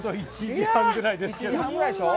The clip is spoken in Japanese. １時半ぐらいでしょ？